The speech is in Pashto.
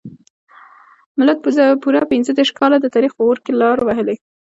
ملت پوره پنځه دیرش کاله د تاریخ په اور کې لار وهلې.